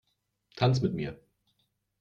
Tanz mit mir!